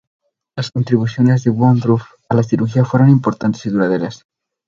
Las contribuciones de Woodruff a la cirugía fueron importantes y duraderas.